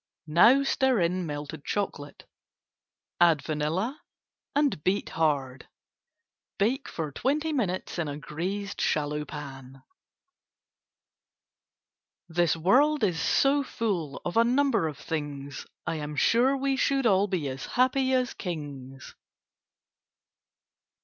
Now stir in melted chocolate, add vanilla and beat hard. Bake twenty minutes in a greased shallow pan. [Illustration: "This world is so full of a number of things, I am sure we should all be as happy as kings."